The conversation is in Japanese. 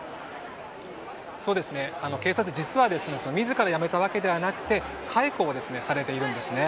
警察を、実は自ら辞めたわけではなくて解雇されているんですね。